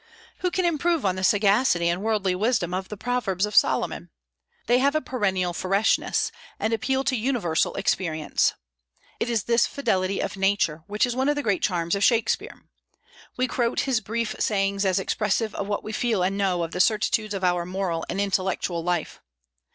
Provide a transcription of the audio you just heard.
Who can improve on the sagacity and worldly wisdom of the Proverbs of Solomon? They have a perennial freshness, and appeal to universal experience. It is this fidelity to nature which is one of the great charms of Shakspeare. We quote his brief sayings as expressive of what we feel and know of the certitudes of our moral and intellectual life.